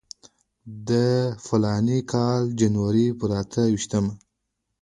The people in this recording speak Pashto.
د فلاني کال د جنورۍ پر اته ویشتمه.